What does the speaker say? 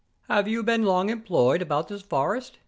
"Have you been long employed about this forest?"